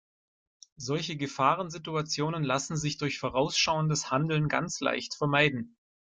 Solche Gefahrensituationen lassen sich durch vorausschauendes Handeln ganz leicht vermeiden.